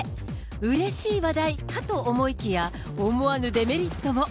うれしい話題かと思いきや、思わぬデメリットも。